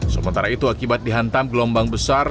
sementara itu akibat dihantam gelombang besar